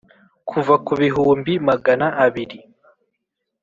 kuva ku bihumbi magana abiri